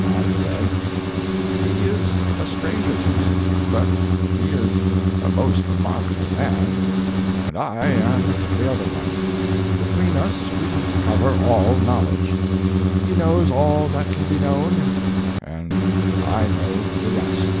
I said: "He is a stranger to me, but he is a most remarkable man and I am the other one. Between us we cover all knowledge. He knows all that can be known, and I know the rest."